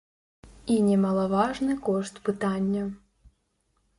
І немалаважны кошт пытання.